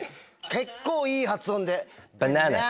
結構いい発音で。